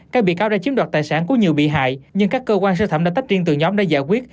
các bị cáo đã chiếm đoạt tài sản của nhiều bị hại nhưng các cơ quan sơ thẩm đã tách riêng từ nhóm để giải quyết